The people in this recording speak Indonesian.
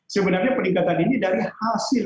sebenarnya peningkatan ini dari hasil